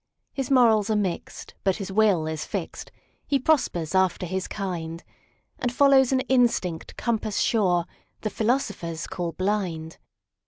His morals are mixed, but his will is fixed; He prospers after his kind, And follows an instinct, compass sure, The philosophers call blind.